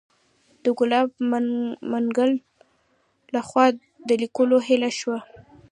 د ګلاب منګل لخوا د لیدو هیله شوه.